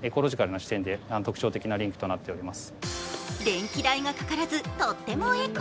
電気代がかからずとってもエコ。